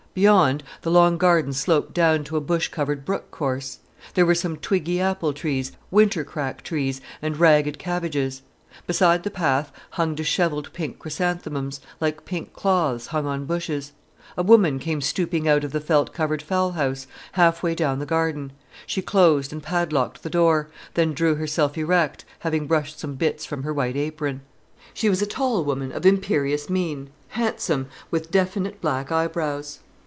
Beyond, the long garden sloped down to a bush covered brook course. There were some twiggy apple trees, winter crack trees, and ragged cabbages. Beside the path hung dishevelled pink chrysanthemums, like pink cloths hung on bushes. A woman came stooping out of the felt covered fowl house, half way down the garden. She closed and padlocked the door, then drew herself erect, having brushed some bits from her white apron. She was a tall woman of imperious mien, handsome, with definite black eyebrows.